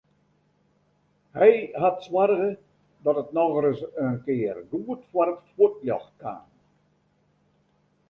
Hy hat soarge dat it nochris in kear goed foar it fuotljocht kaam.